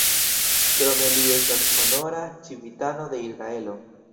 Krome li estas honora civitano de Israelo.